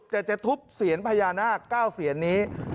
แต่จะทุบเซียนพญานาค๙เสียนนี้